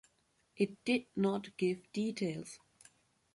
It did not give details.